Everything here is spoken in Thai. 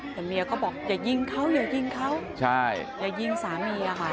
แต่เมียก็บอกอย่ายิงเขาอย่ายิงเขาอย่ายิงสามีอะค่ะ